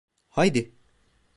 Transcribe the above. Haydi!